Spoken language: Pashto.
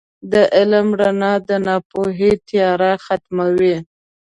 • د علم رڼا د ناپوهۍ تیاره ختموي.